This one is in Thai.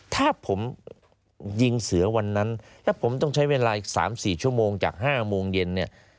ถ้าผมยิงเสือวันนั้นแล้วผมต้องใช้เวลาอีก๓๔ชั่วโมงจาก๕โมงเย็นเนี่ย